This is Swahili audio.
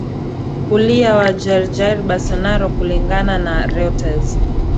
kulia wa Jair Jair Bolsonaro Kulingana na Reuters